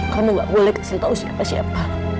karena nggak boleh kasih tahu siapa siapa